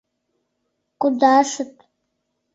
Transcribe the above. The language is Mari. Кудашыт!